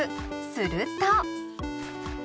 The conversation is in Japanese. すると。